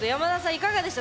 いかがでした？